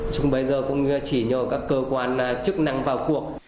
nhưng bây giờ cũng chỉ nhờ các cơ quan chức năng vào cuộc